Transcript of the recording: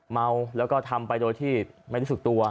เมาแล้วก็ทำไปโดยที่ไม่รู้สึกตัว